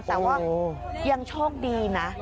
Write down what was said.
แต่ว่ายังโชคดีนะ